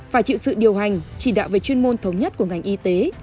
phải chịu sự điều hành chỉ đạo về chuyên môn thống nhất của ngành y tế